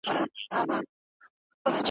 په نغمو په ترانو به یې زړه سوړ وو `